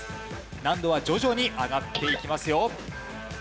難度は徐々に上がっていきますよ。